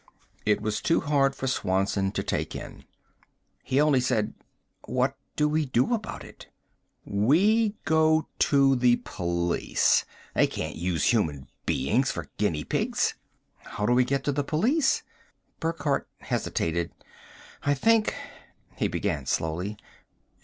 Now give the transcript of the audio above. It was too hard for Swanson to take in. He only said: "What do we do about it?" "We go to the police. They can't use human beings for guinea pigs!" "How do we get to the police?" Burckhardt hesitated. "I think " he began slowly.